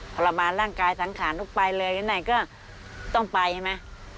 ทรมานร่างกายสังขาญลูกไปเลยอย่างไรก็ต้องไปใช่ไหม